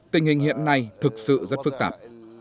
tình hình hiện nay thực sự rất phức tạp